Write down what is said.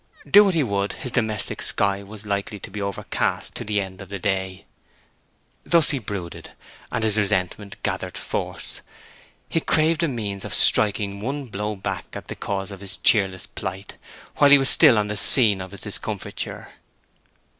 Do what he would, his domestic sky was likely to be overcast to the end of the day. Thus he brooded, and his resentment gathered force. He craved a means of striking one blow back at the cause of his cheerless plight, while he was still on the scene of his discomfiture.